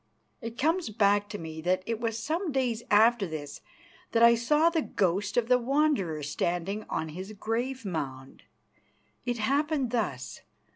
It comes back to me that it was some days after this that I saw the ghost of the Wanderer standing on his grave mound. It happened thus.